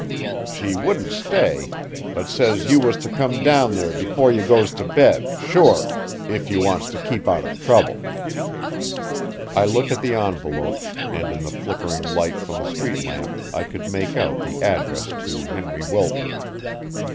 She wouldn't stay, but says you was to come down there before you goes to bed, sure, if you wants to keep out of trouble." I looked at the envelope, and in the flickering light from the street lamp I could make out the address to Henry Wilton.